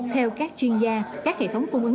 theo các chuyên gia các hệ thống cung ứng